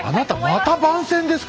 あなたまた番宣ですか！